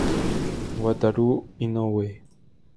Wataru Inoue